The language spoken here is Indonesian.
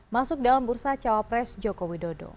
masuk dalam bursa cawapres jokowi dodo